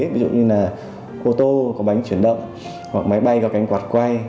ví dụ như là ô tô có bánh chuyển động hoặc máy bay có cánh quạt quay